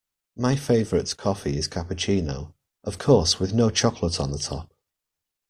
My favourite coffee is cappuccino, of course with no chocolate on the top